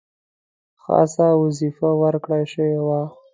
خاصه وظیفه ورکړه شوې وه.